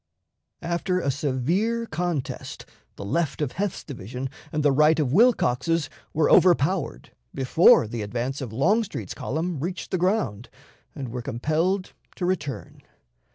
After a severe contest, the left of Heth's division and the right of Wilcox's were overpowered before the advance of Longstreet's column reached the ground, and were compelled to return.